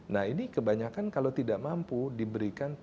nah ini kebanyakan kalau kita menggunakan susu pertumbuhan anak